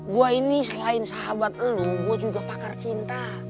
gue ini selain sahabat lo gue juga pakar cinta